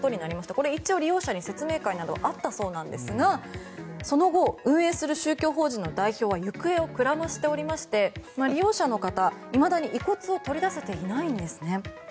これ一応、利用者に説明会などはあったそうなんですがその後、運営する宗教法人の代表は行方をくらましておりまして利用者の方、いまだに遺骨を取り出せていないんですね。